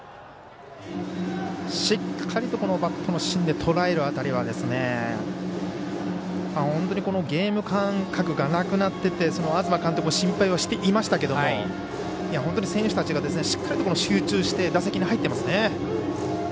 しっかりとバットの芯でとらえる辺りはゲーム感覚がなくなっていてあづま球場も心配してましたけど本当に選手たちがしっかりと集中して打席に入ってますね。